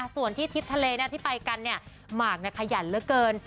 ส่วนที่ทริปทะเลที่ไปกันหมากขยันเหลือเกิน